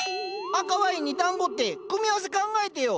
赤ワインにだんごって組み合わせ考えてよ。